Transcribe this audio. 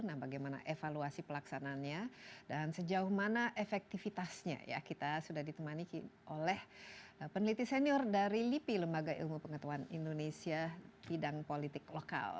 nah bagaimana evaluasi pelaksanaannya dan sejauh mana efektivitasnya ya kita sudah ditemani oleh peneliti senior dari lipi lembaga ilmu pengetahuan indonesia bidang politik lokal